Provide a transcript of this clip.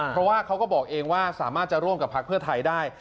เพราะว่าเขาก็บอกเองว่าสามารถจะร่วมกับพักเพื่อไทยได้